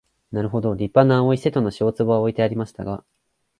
なるほど立派な青い瀬戸の塩壺は置いてありましたが、